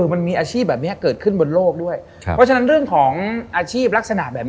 มันมีอาชีพแบบนี้เกิดขึ้นบนโลกด้วยครับเพราะฉะนั้นเรื่องของอาชีพลักษณะแบบนี้